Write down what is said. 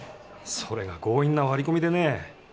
それが強引な割り込みでね。